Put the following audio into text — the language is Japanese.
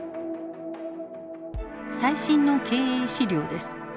最新の経営資料です。